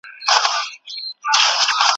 ستړي کډي دي باریږي سرګردانه زندګي ده